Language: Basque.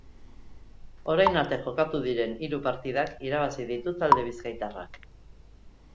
Orain arte jokatu diren hiru partidak irabazi ditu talde bizkaitarrak.